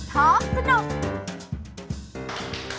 ช่วงชิมสนั่นท้องสนุก